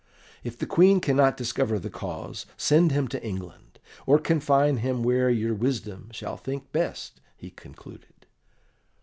"If the Queen cannot discover the cause, send him to England, or confine him where your wisdom shall think best," he concluded.